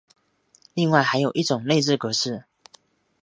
另外还有一种内置格式。